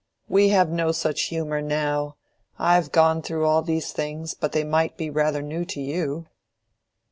We have no such humor now. I have gone through all these things, but they might be rather new to you."